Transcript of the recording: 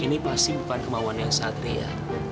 ini pasti bukan kemauannya satria